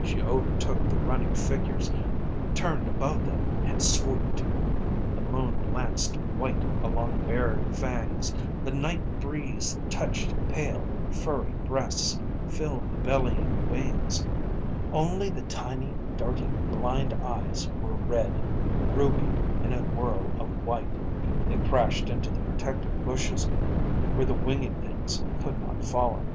She overtook the running figures, turned above them, and swooped. The moon lanced white along bared fangs. The night breeze touched pale furry breasts, filled the bellying wings. Only the tiny, darting, blind eyes were red, rubied in a whirl of white. They crashed into the protective bushes where the winged things could not follow.